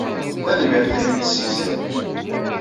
Tanemmirt imi d-tessegziḍ.